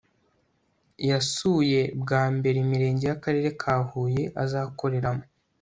yasuye bwa mbere imirenge yakarere ka Huye azakoreramo